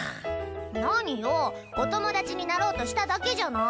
何よお友達になろうとしただけじゃない。